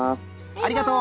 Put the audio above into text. ありがとう。